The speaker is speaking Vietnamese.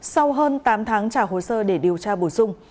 sau hơn tám tháng trả hồ sơ để điều tra bổ sung